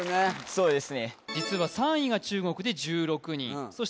そうです